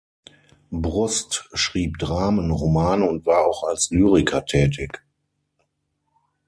Brust schrieb Dramen, Romane und war auch als Lyriker tätig.